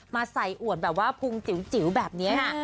มาใส่อวดแบบว่าพุงจิ๋วแบบนี้ค่ะ